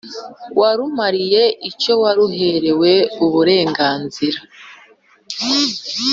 warumariye icyo waruherewe uburenganzira,